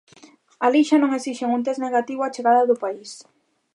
Alí xa non esixen un test negativo á chegada ao país.